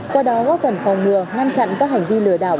qua đó góp phần phòng ngừa ngăn chặn các hành vi lừa đảo